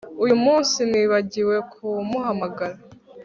Uyu munsi nibagiwe kumuhamagara